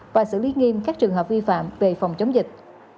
và xử lý nghiêm các trường hợp vi phạm về phòng chống dịch